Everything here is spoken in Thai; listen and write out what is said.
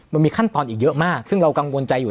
มันมีขั้นตอนอีกเยอะมากซึ่งเรากังวลใจอยู่